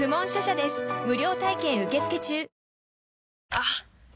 あっ！